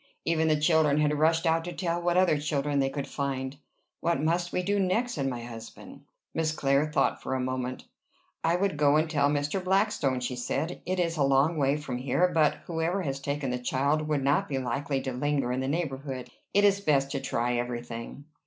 Even the children had rushed out to tell what other children they could find. "What must we do next?" said my husband. Miss Clare thought for a moment. "I would go and tell Mr. Blackstone," she said. "It is a long way from here, but whoever has taken the child would not be likely to linger in the neighborhood. It is best to try every thing."